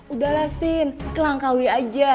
udahlah sin kelangkaui aja